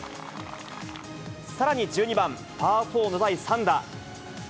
さらに１２番パー４の第３打。